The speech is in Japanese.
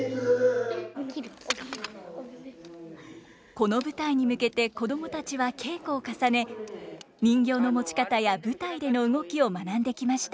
この舞台に向けて子供たちは稽古を重ね人形の持ち方や舞台での動きを学んできました。